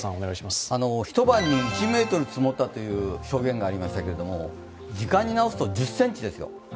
一晩に１ｍ積もったという証言がありましたけれども、時間に直すと、１０ｃｍですよ。